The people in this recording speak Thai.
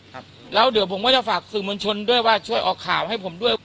ครับแล้วเดี๋ยวผมก็จะฝากสื่อมวลชนด้วยว่าช่วยออกข่าวให้ผมด้วย